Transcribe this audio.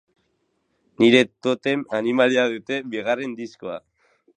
Nire totem animalia dute bigarren diskoa.